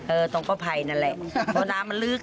เออตรงกอไผ่นั่นแหละเพราะน้ำมันลึก